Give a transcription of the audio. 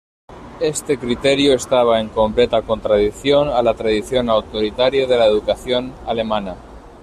Este criterio estaba en completa contradicción a la tradición autoritaria de la educación alemana.